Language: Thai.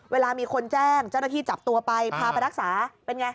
เวลามีคนแจ้งเจ้าหน้าที่จับตัวไปพาไปรักษาเป็นไง